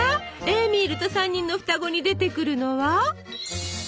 「エーミールと三人のふたご」に出てくるのは？